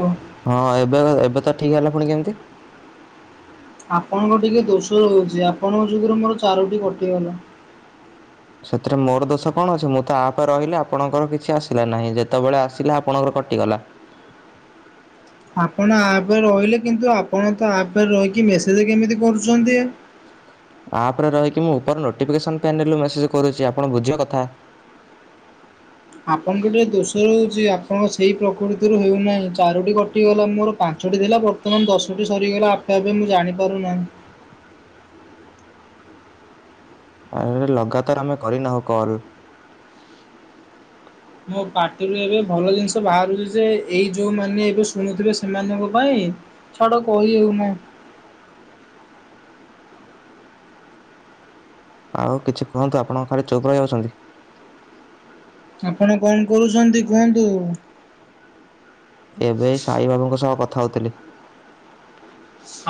ହଁ [unintelligible] ହଁ ଏବେ ଏବେ ତ ଠିକ ହେଲା ପୁଣି କେମିତି। ଆପଣଙ୍କ ଟିକେ ଦୋଷ ରହୁଚି ଆପଣଙ୍କ ଯୋଗୁର ମୋର ଚାରୋଟି କଟିଗଲା। ସେଥିରେ ମୋର ଦୋଷ କଣ ଅଛି ମୁଁ ତ ଆପରେ ରହିଲି ଆପଣଙ୍କର କିଛି ଆସିଲା ନାହିଁ ଯେତେବେଳେ ଆସିଲା ଆପଣଙ୍କର କଟିଗଲା। ଆପଣ ଆପେ ରହିଲେ କିନ୍ତୁ ଆପଣ ତ ଆପେ ରହିକି ମେସେଜ୍ କେମିତି କରୁଛନ୍ତି। ଆପ ରେ ରହିକି ମୁଁ ଉପର ନୋଟିଫିକେସନ ପ୍ୟାନଲରୁ ମେସେଜ୍ କରୁଛି ଆପଣ ବୁଝିବ କଥା। ଆପଣଙ୍କ ଟିକେ ଦୋଷ ରହୁଚି ଆପଣ ସେଇ ପ୍ରକୃତିରୁ ହେଉନାହିଁ ଚାରୋଟି କଟିଗଲା ମୋର। ପାଞ୍ଚଟି ଥିଲା ବର୍ତ୍ତମାନ ଦଶଟି ସରିଗଲା ଆପେ ଆପେ ମୁଁ ଜାଣିପାରୁନାହିଁ। ଆ ଲଗାତାର ଆମେ କରିନାହୁ କଲ ମୋ ପାଟିରୁ ଏବେ ଭଲ ଜିନିଷ ବାହାରୁଛି ଯେ ଏଇ ଯୋଉମାନେ ଏବେ ଶୁଣୁଥିବେ ସେମାନଙ୍କ ପାଇଁ। ଛାଡ଼ କହି ହେଉନି। ଆଉ କିଛି କୁହନ୍ତୁ ଆପଣ କଣ ଖାଲି ଚୁପ ରହିଯାଉଛନ୍ତି। ଆପଣ କଣ କରୁଛନ୍ତି କୁହନ୍ତୁ। ଏବେ ଏଇ ସାଇ ବାବୁଙ୍କ ସହ କଥା ହଉଥିଲି।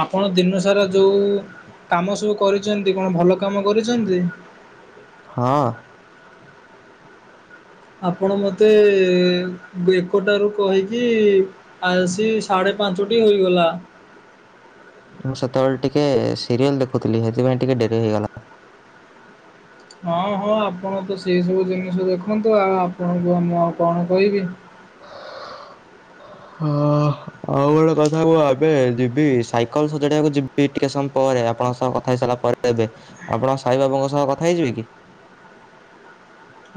ଆପଣ ଦିନ ସାରା ଯୋଉ କାମ ସବୁ କରିଚନ୍ତି କଣ ଭଲ କାମ କରିଛନ୍ତି। ହଁ। ଆପଣ ମତେ ଏକଟା ରୁ କହିକି ଆସି ସାଢ଼େ ପାଞ୍ଚଟି ହୋଇଇଗଲା। ମୁଁ ସେତେବେଳେ ଟିକେ ସିରିଏଲ ଦେଖୁଥିଲି ସେଥିପାଇଁ ଟିକେ ଡେରି ହେଇଗଲା। ହଁ ହଁ ଆପଣ ତ ସେଇ ସବୁ ଜିନିଷ ଦେଖନ୍ତୁ ଆଉ ଆପଣଙ୍କୁ ମୁଁ ଆଉ କଣ କହିବି। ହ ଅ। ହଉ ଗୋଟେ କଥା କୁହ ଏବେ ଯିବି ସାଇକଲ ସଜାଡିବାକୁ ଯିବି ଟିକେ ସମୟ ପରେ ଆପଣଙ୍କ ସହ କଥା ହେଇସାରିଲା ପରେ। ତବେ ଆପଣ ସାଇ ବାବୁଙ୍କ ସହ କଥା ହେଇଯିବେ କି।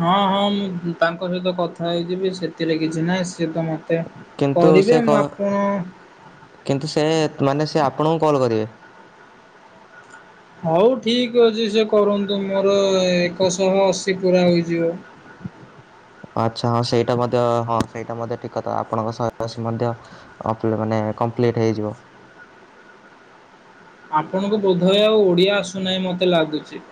ହଁ ହଁ ମୁଁ ତାଙ୍କ ସହିତ କଥା ହେଇଯିବି ସେଥିରେ କିଛି ନାହିଁ ସିଏ ତ ମତେ। କିନ୍ତୁ ସେ କରିବେ କ ମୁ ଆପଣ କିନ୍ତୁ ସେ ମାନେ ସେ ଆପଣଙ୍କୁ କଲ୍ କରିବେ। ହଉ ଠିକ ଅଛି ସେ କରନ୍ତୁ ମୋର ଏକ ଶହ ଅଶୀ ପୁରା ହେଇଯିବ। ଆଚ୍ଛା ହଁ ସେଇଟା ମଧ୍ୟ ହଁ ସେଇଟା ମଧ୍ୟ ଠିକ୍ କଥା ଆପଣଙ୍କ ସହେ ଅସି ମଧ୍ୟ ଅପଡେଟ୍ ମାନେ କମ୍ପ୍ଲିଟ୍ ହେଇଯିବ। ଆପଣଙ୍କୁ ବୋଧ ହୁଏ ଆଉ ଓଡିଆ ଆସୁନାହିଁ ମତେ ଲାଗୁଛି।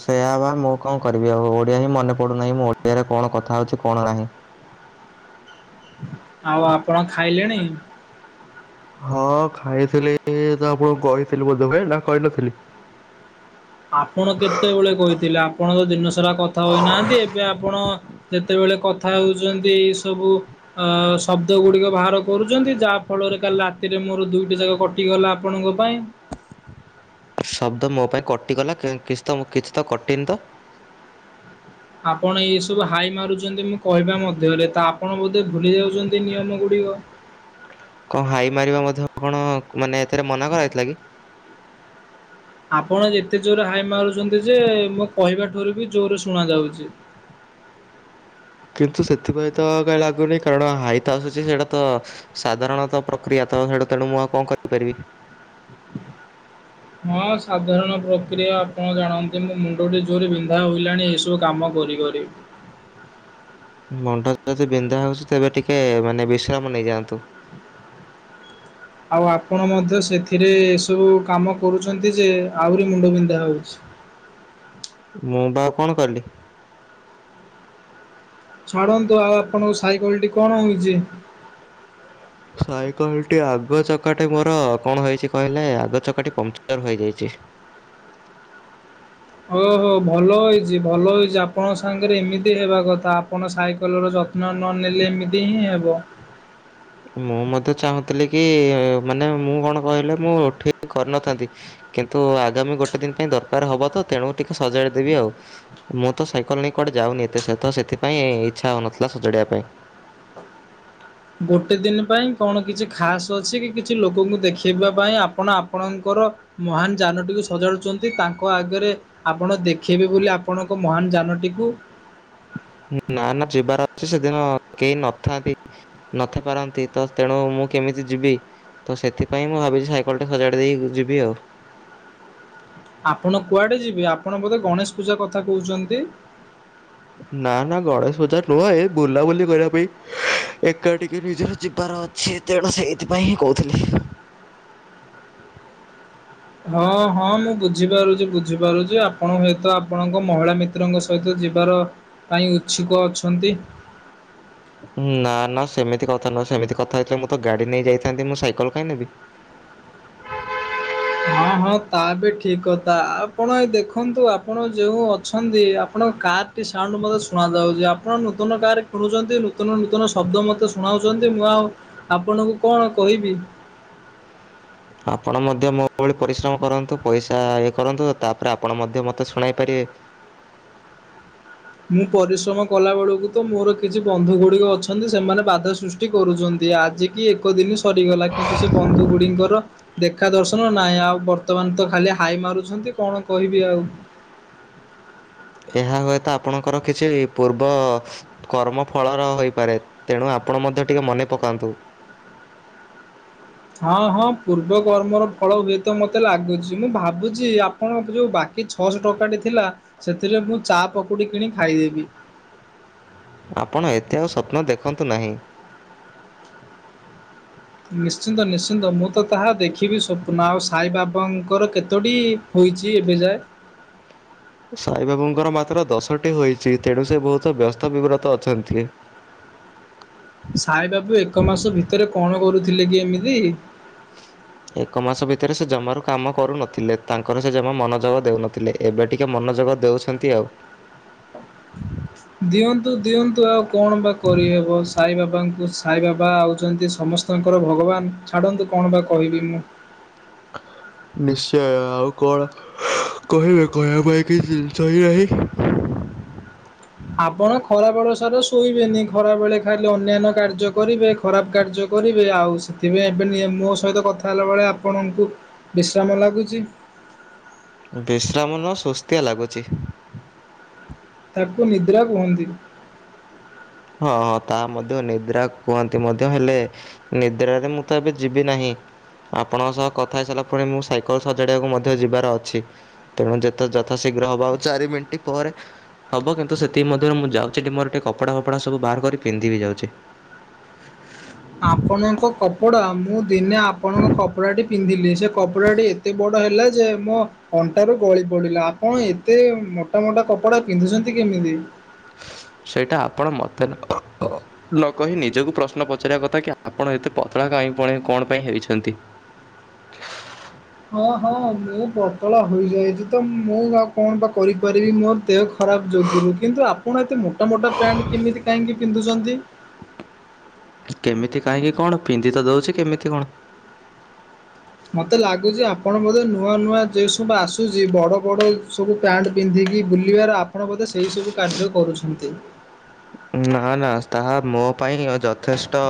ସେଇଆ ପା ମୁଁ କଣ କରିବି ଆଉ ଓଡ଼ିଆ ହିଁ ମନେପଡୁନାହିଁ ମୁଁ ଓଡ଼ିଆ ରେ କଣ କଥା କଥା ହୋଉଚି କଣ ନାହିଁ। ଆଉ ଆପଣ ଖାଇଲେଣି। ହଁ ଖାଇଥିଲି ତ ଆପଣଙ୍କୁ କହିଥିଲି ବୋଧ ହୁଏ ନା କହିନଥିଲି। ଆପଣ କେତେବେଳେ କହିଥିଲେ ଆପଣ ତ ଦିନ ସାରା କଥା ହୋଇନାହାନ୍ତି ଏବେ ଆପଣ ଯେତେବେଳେ କଥା ହଉଛନ୍ତି ଏଇ ସବୁ। ଆ ଶବ୍ଦ ଗୁଡିକ ବାହାର କରୁଛନ୍ତି ଯାହା ଫଳରେ କାଲି ରାତିରେ ମୋର ଦୁଇଟି ଯା କଟ କଟିଗଲା ଆପଣଙ୍କ ପାଇଁ। ଶବ୍ଦ ମୋ ପାଇଁ କଟିଗଲା କା କିଛି ତ କିଛି ତ କଟିିନି ତ। ଆପଣ ଏଇ ସବୁ ହାଇ ମାରୁଛନ୍ତି ମୁଁ କହିବା ମଧ୍ୟରେ ତ ଆପଣ ବୋଧେ ଭୁଲି ଯାଉଛନ୍ତି ନିୟମ ଗୁଡ଼ିକ। କଣ ହାଇ ମାରିବା ମଧ୍ୟ କଣ ମାନେ ଏଥିରେ ମନା କରାହେଇଥିଲା କି। ଆପଣ ଏତେ ଜୋରରେ ହାଇ ମାରୁଛନ୍ତି ଯେ ମୁଁ କହିବା ଠୁାରୁ ବି ଜୋରରେ ଶୁଣ ଯାଉଚି। କିନ୍ତୁ ସେଥିପାଇଁ ତ କାହିଁ ଲାଗୁନି କାରଣ ହାଇ ତ ଆସୁଛି ସେଇଟା ତ ସାଧାରଣତଃ ପ୍ରକ୍ରିୟା ତ ସେଟୁ ତେଣୁ ମୁଁ ଆଉ କଣ କରିପାରିବି। ହଁ ସାଧାରଣ ପ୍ରକ୍ରିୟା ଆପଣ ଜାଣନ୍ତି ମୋ ମୁଣ୍ଡଟି ଜୋରେ ବିନ୍ଧା ହୋଇଲାଣି ଏହିସବୁ କାମ କରି କରି। ମଣ୍ଡ ଯଦି ବିନ୍ଧା ହଉଚି ତେବେ ଟିକେ ମାନେ ବିଶ୍ରାମ ନେଇଯାଆନ୍ତୁ। ଆଉ ଆପଣ ମଧ୍ୟ ସେଥିରେ ଏସବୁ କାମ କରୁଛନ୍ତି ଯେ ଆହୁରି ମୁଣ୍ଡବିନ୍ଧା ହଉଚି। ମୁଁ ବା ଆଉ କଣ କଲି। ଛାଡନ୍ତୁ ଆଉ ଆପଣଙ୍କ ସାଇକେଲ ଟି କଣ ହେଇଛି? ସାଇକେଲଟି ଆଗଚକାଟି ମୋର କଣ ହେଇଛି କହିଲେ ଆଗ ଚକାଟି ପମଚର ହେଇଯାଇଛି। ଓହୋ ଭଲ ହେଇଛି ଭଲ ହେଇଛି ଆପଣଙ୍କ ସାଙ୍ଗରେ ଏମିତି ହେବା କଥା ଆପଣ ସାଇକେଲର ଯ ଯତ୍ନ ନ ନେଲେ ଏମିତି ହିଁ ହେବ। ମୁଁ ମଧ୍ୟ ଚାହୁଁଥିଲି କି ମାନେ ମୁଁ କଣ କହିଲେ ମୁଁ ଠିକ୍ କରିନଥାନ୍ତି। କିନ୍ତୁ ଆଗାମୀ ଗୋଟେ ଦିନ ପାଇଁ ଦରକାର ହେବ ତ ତେଣୁ ଟିକେ ସଜାଡି ଦେବି ଆଉ। ମୁଁ ତ ସାଇକଲ୍ ନେଇ କୁଆଡେ ଯାଉନି ଏତେ ସହିତ ସେଥିପାଇଁ ଇଚ୍ଛା ହଉନଥିଲା ସଜାଡ଼ିବା ପାଇଁ। ଗୋଟେ ଦିନ ପାଇଁ କଣ କିଛି ଖାସ୍ ଅଛି କି କିଛି ଲୋକଙ୍କୁ ଦେଖେଇବା ପାଇଁ ଆପଣ ଆପଣଙ୍କର ମହାନ ଯାନଟିକୁ ସଜାଡୁଛନ୍ତି ତାଙ୍କ ଆଗରେ ଆପଣ ଦେଖେଇବେ ବୋଲି ଆପଣଙ୍କ ମହାନ ଯାନଟିକୁ। ନା ନା ଯିବାର ଅଛି ସେଦିନ କେହି ନଥାନ୍ତି ନଥି ପାରନ୍ତି ତ ତେଣୁ ମୁଁ କେମିତି ଯିବି? ତ ସେଥିପାଇଁ ମୁଁ ଭାବିଛି ସାଇକଲଟି ସଜାଡ଼ି ଦେଇ ଯିବି ଆଉ। ଆପଣ କୁଆଡେ ଯିବେ? ଆପଣ ବୋଧେ ଗଣେଶ ପୂଜା କଥା କହୁଛନ୍ତି। ନା ନା ଗଣେଶ ବଜାର ନୁହଁ ଏ ବୁଲାବୁଲି କରିବା ପାଇଁ। ଏକା ଟିକେ ନିଜର ଯିବାର ଅଛି ତେଣୁ ସେଇଥିପାଇଁ ହିଁ କହୁଥିଲି। ହଁ ହଁ ମୁଁ ବୁଝିପାରୁଛି ବୁଝିପାରୁଛି ଆପଣ ହୁଏତ ଆପଣଙ୍କ ମହିଳା ମି ମିତ୍ରଙ୍କ ସହିତ ଯିବାର ପାଇଁ ଇଛୁକ ଅଛନ୍ତି। ନା ନା ସେମିତି କଥା ନୁହଁ ସେମିତି କଥା ହେଇଥିଲେ ମୁଁ ତ ଗାଡି ନେଇ ଯାଇଥାନ୍ତି ମୁଁ ସାଇକଲ କାଇଁ ନେବି। ହଁ ହଁ ତା ବି ଠିକ୍ କଥା ଆପଣ ଏ ଦେଖନ୍ତୁ ଆପଣ ଯେଉଁ ଅଛନ୍ତି ଆପଣଙ୍କ କାର୍ ସାଉଣ୍ଡ ମୋତେ ଶୁଣାଯାଉଛି ଆପଣ ନୂତନ ଗାଁରେ କିଣୁଛନ୍ତି ନୂତନ ନୂତନ ଶବ୍ଦ ମୋତେ ଶୁଣାଉଛନ୍ତି ମୁଁ ଆଉ ଆପଣଙ୍କୁ କଣ କହିବି। ଆପଣ ମଧ୍ୟ ମୋ ଭଳି ପରିଶ୍ରମ କରନ୍ତୁ ପଇସା ଇଏ କରନ୍ତୁ ତାପରେ ଆପଣ ମଧ୍ୟ ମୋତେ ଶୁଣାଇ ପାରିବେ। ମୁଁ ପରିଶ୍ରମ କଲା ବେଳକୁ ତ ମୋର କିଛି ବନ୍ଧୁ ଗୁଡିକ ଅଛନ୍ତି ସେମାନେ ବାଧା ସୃ କରୁଛନ୍ତି ଆଜି କି ଏକ ଦିନ ସରିଗଲା କିନ୍ତୁ ସେ ବନ୍ଧୁ ଗୁଡିଙ୍କର ଦେଖା ଦର୍ଶନ ନାଇଁ ଆଉ ବର୍ତ୍ତମାନ ତ ଖାଲି ହାଇ ମାରୁଛନ୍ତି କଣ କହିବି ଆଉ। ଏହା ହୁଏତ ଆପଣଙ୍କର କିଛି ପୂର୍ବ କର୍ମ ଫଳର ହୋଇପାରେ ତେଣୁ ଆପଣ ମଧ୍ୟ ଟିକେ ମନେ ପକାନ୍ତୁ। ହଁ ହଁ ପୂର୍ବ କର୍ମର ଫଳ ହୁଏତ ମତେ ଲାଗୁଛି, ମୁଁ ଭାବୁଛି ଆପଣ ଯୋଉ ବାକି ଛଅଶହ ଟଙ୍କାଟେ ଥିଲା ସେଥିରେ ମୁଁ ଚା ପକୁଡ଼ି କିଣି ଖାଇଦେବି। ଆପଣ ଏତେ ଆଉ ସ୍ୱପ୍ନ ଦେଖନ୍ତୁ ନାହିଁ। ନିଶ୍ଚିନ୍ତ ନିଶ୍ଚିନ୍ତ ମୁଁ ତ ତାହା ଦେଖିବି ସ୍ୱପ୍ନ ଆଉ ସାଇବାବାଙ୍କର କେତୋଟି ହୋଇଛି ଏବେଯାଏ। ସାଇବାବୁଙ୍କର ମାତ୍ର ଦଶଟି ହୋଇଛି ତେଣୁ ସେ ବହୁତ ବ୍ୟସ୍ତ ବିବ୍ରତ ଅଛନ୍ତି। ସାଇବାବୁ ଏକ ମାସ ଭିତରେ କଣ କରୁଥିଲେ କି ଏମିତି? [inaudible] ଏକ ମାସ ଭିତରେ ସେ ଜମାରୁ କାମ କରୁନଥିଲେ ତାଙ୍କର ସେ ଜମା ମନୋଯୋଗ ଦେଉନଥିଲେ। ଏବେ ଟିକେ ମନୋଯୋଗ ଦେଉଛନ୍ତି ଆଉ। [inaudible] ଦିଅନ୍ତୁ ଦିଅନ୍ତୁ ଆଉ କଣ ବା କରିହେବ ସାଇବାବାଙ୍କୁ ସାଇବାବା ଆଉଛନ୍ତି ସମସ୍ ସ୍ତଙ୍କର ଭଗବାନ! ଛାଡ଼ନ୍ତୁ କଣ ବା କହିବି ମୁଁ। ନିଶ୍ଚୟ ଆଉ କଣ କହିବେ କହିବା ପାଇଁ କିଛି ଜିନିଷ ହିଁ ନାହିଁ। ଆପଣ ଖରାବେଳ ସାରା ଶୋଇବେନି ଖରାବେେଳେ ଖାଲି ଅନ୍ୟାନ୍ୟ କାର୍ଯ୍ୟ କରିବେ। ଖରାପ କାର୍ଯ୍ୟ କରିବେ ଆଉ ସେଥିପାଇଁ ଏବେ ନିଏ ମୋ ସହିତ କଥା ହେଲାବେଳେ ଆପଣଙ୍କୁ ବିଶ୍ରାମ ଲାଗୁଛି। ବିଶ୍ରାମ ନୁହଁ ସୁସ୍ତିଆ ଲାଗୁଚି। ତାକୁ ନିଦ୍ରା କୁହନ୍ତି। ହଁ ହଁ ତା ମଧ୍ୟ ନିଦ୍ରା କୁହନ୍ତି ମଧ୍ୟ ହେଲେ ନିଦ୍ରାରେ ମୁଁ ତ ଏବେ ଯିବି ନାହିଁ। ଆପଣଙ୍କ ସହ କଥା ହେଇସାରିଲା ପରେ ମୁଁ ସାଇକଲ୍ ସଜାଡ଼ିବାକୁ ମଧ୍ୟ ଯିବାର ଅଛି। ତେଣୁ ଯେତେ ଯଥାଶୀଘ୍ର ହବା ଆଉ ଚାରି ମିନ୍ଟି ପରେ ହବ କିନ୍ତୁ ସେତିକି ମଧ୍ୟରେ ମୁଁ ଯାଉଛି ଟି ମୋର ଟିକେ କପଡ଼ା ଫପଡ଼ା ସବୁ ବାହାର କରି ପିନ୍ଧି ବି ଯାଉଛି। ଆପଣଙ୍କ କପଡ଼ା ମୁଁ ଦିନେ ଆପଣଙ୍କ କପଡ଼ାଟି ପିନ୍ଧିଲି ସେ କପଡ଼ାଟି ଏ ତେ ବଡ଼ ହେଲା ଯେ ମୋ ଅଣ୍ଟା ରୁ ଗଳି ପଡିଲା ଆପଣ ଏତେ ମୋଟା ମୋଟା କପଡା ପିନ୍ଧୁଛନ୍ତି କେମିତି? ସେଇଟା ଆପଣ ମୋତେ କ କ ନ କହି ନିଜକୁ ପ୍ରଶ୍ନ ପଚାରିବା କଥା କି ଆପଣ ଏତେ ପତଳା କାହିଁ ପୁଣି କଣ ପାଇଁ ହେଇଛନ୍ତି? ହଁ ହଁ ମୁ ପତଳା ହୋଇଯାଇଛି ତ ମୁଁ ଆଉ କଣ ବା କରିପାରିବି ମୋର ଦେହ ଖରାପ ଯୋଗରୁ କିନ୍ତୁ ଆପଣ ଏତେ ମୋଟ ମୋଟା ପ୍ୟାଣ୍ଟ କେମିତି କାହିଁକି ପିନ୍ଧୁଛନ୍ତି? କେମିତି କାହିଁକି କଣ ପିନ୍ଧି ତ ଦେଉଛି କେମିତି କଣ ମତେ ଲାଗୁଛି ଆପଣ ବୋଧେ ନୂଆ ନୂଆ ଡ୍ରେସ ସବୁ ଆସୁଛି ବଡ଼ ବଡ଼ ସବୁ ପ୍ୟାଣ୍ଟ ପିନ୍ଧିକି ବୁଲିବାର ଆପଣ ବୋଧେ ସେଇ ସବୁ କାର୍ଯ୍ୟ କରୁଛନ୍ତି। ନା ନା ତାହା ମୋ ପାଇଁ ଅ ଯଥେଷ୍ଟ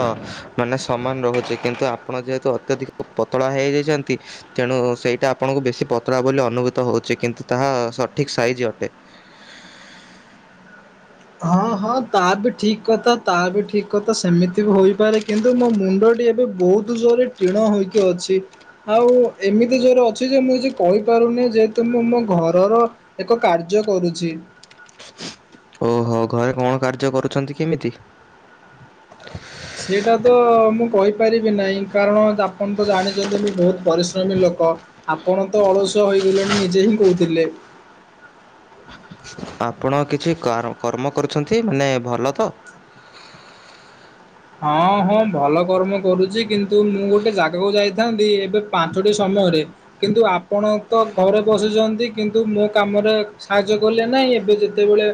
ମାନେ ସମାନ ରହୁଛି କିନ୍ତୁ ଆପଣ ଯେହେତୁ ଅତ୍ୟଧିକ ପତଳା ହେଇଯାଇଛନ୍ତି ତେଣୁ ସେଇଟା ଆପଣଙ୍କୁ ବେଶୀ ପତଳା ବୋଲି ଅନୁଭୂତ ହଉଛି କିନ୍ତୁ ତାହା ସଠିକ ସାଇଜ ଅଟେ। ହଁ ହଁ ତା ବି ଠିକ୍ କଥା ତା ବି ଠିକ୍ କଥା ସେମିତି ବି ହୋଇପାରେ କିନ୍ତୁ ମୋ ମୁଣ୍ଡଟି ଏବେ ବହୁତୁ ଜୋରେ ଟିଣ ହୋଇକି ଅଛି। ଆଉ ଏମିତି ଜୋରେ ଅଛି ଯେ ମୁଁ କିଛି କହିପାରୁନି ଯେହେତୁ ମୁଁ ମୋ ଘରର ଏକ କାର୍ଯ୍ୟ କରୁଛି। ଓହୋ ଘରେ କଣ କାର୍ଯ୍ୟ କରୁଛନ୍ତି କେମିତି? ସେଇଟା ତ ମୁଁ କହିପାରିବି ନାହିଁ କାରଣ ଆପଣ ତ ଜାଣିଛନ୍ତି ମୁଁ ବହୁତ ପରିଶ୍ରମୀ ଲୋକ। ଆପଣ ତ ଅଳସୁଆ ହୋଇଗଲେଣି ନିଜେ ହିଁ କହୁଥିଲେ। ଆପଣ କିଛି କାର କର୍ମ କରୁଛନ୍ତି ମାନେ ଭଲ ତ? ହଁ ହଁ ଭଲ କର୍ମ କରୁଛି କିନ୍ତୁ ମୁଁ ଗୋଟେ ଜାଗାକୁ ଯାଇଥାନ୍ତି ଏବେ ପାଞ୍ଚଟି ସମୟରେ କିନ୍ତୁ ଆପଣ ତ ଘରେ ବସୁଛନ୍ତି କିନ୍ତୁ ମୋ କାମରେ ସାହାଯ୍ୟ କଲେ ନାହିଁ ଏବେ ଯେ ଯେତେବେଳେ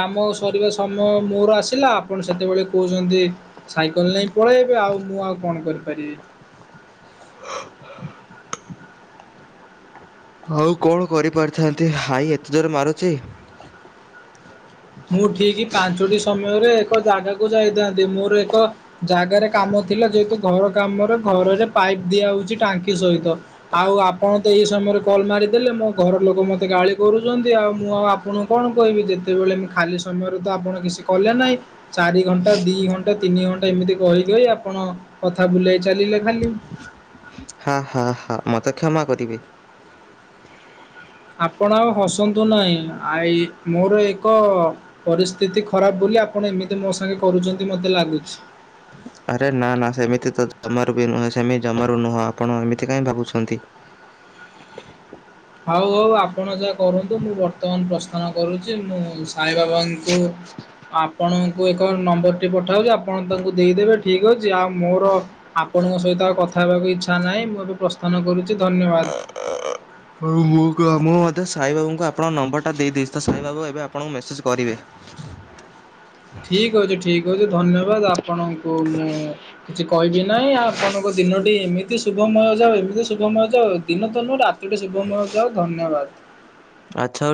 କାମ ସରିବା ସମୟ ମୋର ଆସିଲା ଆପଣ ସେତେବେଳେ କହୁଛନ୍ତି ସାଇକେଲ ନେଇ ପଳେଇବେ ଆଉ ମୁଁ ଆଉ କଣ କରିପାରିବି? ହଉ କଣ କରିପାରିଥାନ୍ତି ହାଇ ଏତେ ଜୋରେ ମାରୁଛି। ମୁଁ ଠିକ ପାଞ୍ଚଟି ସମୟରେ ଏକ ଜାଗାକୁ ଯାଇଥାନ୍ତି ମୋର ଏକ ଜାଗାରେ କାମ ଥିଲା ଯେହେତୁ ଘର କାମରେ ଘରରେ ପାଇପ ଦିଆ ହଉଛି ଟାଙ୍କି ସହିତ। ଆଉ ଆପଣ ତ ଏଇ ସମୟରେ କଲ୍ ମାରିଦେଲେ ମୋ ଘର ଲୋକ ମତେ ଗାଳି କରୁଛନ୍ତି ଆଉ ମୁଁ ଆଉ ଆପଣ କଣ କହିବି ଯେତେବେଳେ ମୁଁ ଖାଲି ସମୟରେ ତ ଆପଣ କିଛି କଲେ ନାହିଁ। ଚାରି ଘଣ୍ଟା ଦି ଘଣ୍ଟା ତିନି ଘଣ୍ଟା ଏମିତି କହିକଇ ଆପଣ କଥା ବୁଲାଇ ଚାଲିଲେ ଖାଲି। ହାଁ ହଁ ହଁ ମତେ କ୍ଷମା କରିବେ। ଆପଣ ଆଉ ହସନ୍ତୁ ନାହିଁ ଆଇ ମୋର ଏକ ପରିସ୍ଥିତି ଖରାପ ବୋଲି ଆପଣ ଏମିତି ମୋ ସାଙ୍ଗେ କରୁଛନ୍ତି ମତେ ଲାଗୁଛି। ଆରେ ନା ନା ସେମିତି ତ ଜମାରୁ ବି ନୁହେଁ ସେମିତି ଜମାରୁ ନୁହଁ ଆପଣ ଏମିତି କାଇଁ ଭାବୁଛନ୍ତି? ହଉ ହଉ ଆପଣ ଯାହା କରନ୍ତୁ ମୁଁ ବର୍ତ୍ତମାନ ପ୍ରସ୍ଥାନ କରୁଛି ମୁଁ ସାଇବାବାଙ୍କୁ ଆପଣଙ୍କୁ ଏକ ନମ୍ବରଟି ପଠାଉଛି ଆପଣ ତାଙ୍କୁ ଦେଇଦେବେ ଠିକ୍ ଅଛି ଆଉ ମୋର ଆପଣଙ୍କ ସହିତ ଆଉ କଥା ହେବାକୁ ଇଚ୍ଛା ନାହିଁ ମୁଁ ଏବେ ପ୍ରସ୍ଥାନ କରୁଛି ଧନ୍ୟବାଦ। ହଉ କ ମୁଁ ମୁଁ ମଧ୍ୟ ସାଇବାବୁଙ୍କୁ ଆପଣଙ୍କ ନମ୍ବର ଟା ଦେଇଦେଇଛି ତ ସାଇବାବୁ ଏବେ ଆପଣଙ୍କୁ ମେସେଜ କରିବେ। ଠିକ ଅଛି ଠିକ ଅଛି ଧନ୍ୟବାଦ ଆପଣଙ୍କୁ ମୁଁ କିଛି କହିବି ନାହିଁ ଆପଣଙ୍କ ଦିନଟି ଏମିତି ଶୁଭମୟ ଯାଉ ଏମିତି ଶୁଭମୟ ଯାଉ ଦିନ ତ ନୁହ ରା ତୋଟେ ଶୁଭମୟ ଯାଅ ଧନ୍ୟବାଦ। [unintelligible]